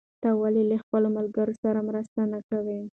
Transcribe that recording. ته ولې له خپلو ملګرو سره مرسته نه کوې؟